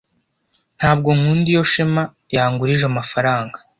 Ntabwo nkunda iyo Shema yangurije amafaranga.